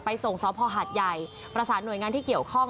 ส่งสพหาดใหญ่ประสานหน่วยงานที่เกี่ยวข้อง